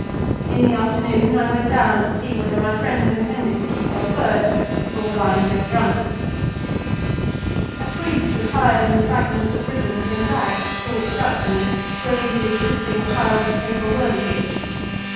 In the afternoon I went down there to see whether my friends intended to keep their word or were lying about drunk. A priest attired in fragments of ribbons and rags stalked up to me, gravely twisting a child's paper whirligig.